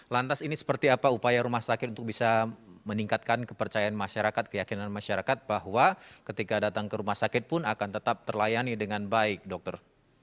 lantas ini seperti apa upaya rumah sakit untuk bisa meningkatkan kepercayaan masyarakat keyakinan masyarakat bahwa ketika datang ke rumah sakit pun akan tetap terlayani dengan baik dokter